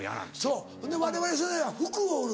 そうわれわれ世代は「服を売る」